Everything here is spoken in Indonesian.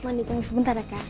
mau ditunggu sebentar ya kak